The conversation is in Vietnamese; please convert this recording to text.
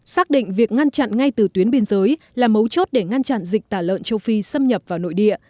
xác định việc ngăn chặn ngay từ tuyến biên giới là mấu chốt để ngăn chặn dịch tả lợn châu phi xâm nhập vào nội địa